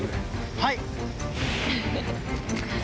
はい！